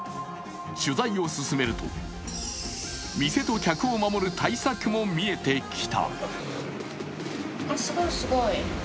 取材を進めると、店と客を守る対策も見えてきた。